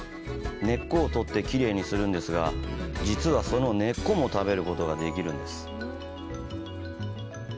根っこをとってきれいにするんですが実はその根っこも食べることができるんです。